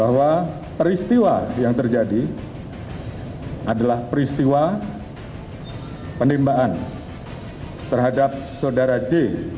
bahwa peristiwa yang terjadi adalah peristiwa penembakan terhadap saudara j